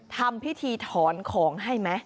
ทำพิธีถอนของให้ไหม